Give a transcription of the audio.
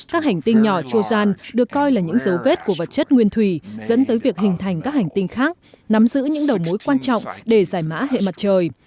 các hành tinh nhỏ tru gian được coi là những dấu vết của vật chất nguyên thủy dẫn tới việc hình thành các hành tinh khác nắm giữ những đầu mối quan trọng để giải mã hệ mặt trời